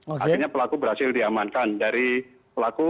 akhirnya pelaku berhasil diamankan dari pelaku